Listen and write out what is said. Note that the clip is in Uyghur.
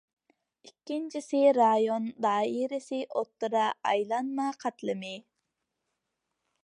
ئىككىنچىسى رايون دائىرىسىدىكى ئوتتۇرا ئايلانما قاتلىمى.